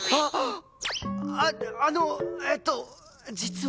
ああのえっと実は。